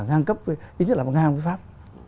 ngang cấp ít nhất là ngang với pháp